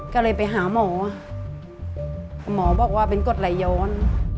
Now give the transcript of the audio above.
ก็เลยไปหาหมอหมอบอกว่าเป็นกฎไหลย้อน